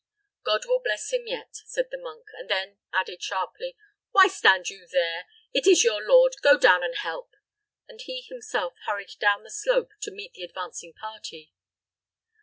"God will bless him yet," said the monk; and then added, sharply, "Why stand you here? It is your lord; go down and help." And he himself hurried down the slope to meet the advancing party.